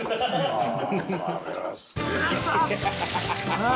ああ！